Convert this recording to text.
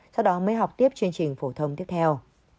sau đó mới học tiếp chương trình phổ thông tiếp theo